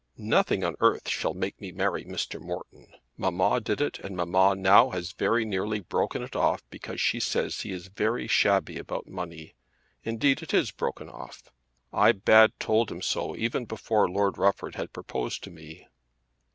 "Nothing on earth shall make me marry Mr. Morton. Mamma did it, and mamma now has very nearly broken it off because she says he is very shabby about money. Indeed it is broken off. I had told him so even before Lord Rufford had proposed to me."